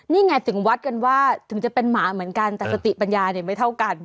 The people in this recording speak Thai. นี่ไงถึงวัดกันว่าถึงจะเป็นหมาเหมือนกันแต่สติปัญญาเนี่ยไม่เท่ากัน